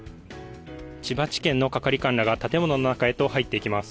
千葉地検の係官らが建物の中へと入っていきます。